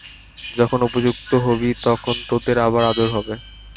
যখন উপযুক্ত হবি, তখন তোদের আবার আদর হবে।